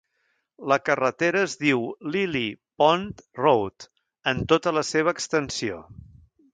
La carretera es diu Lily Pond Road en tota la seva extensió.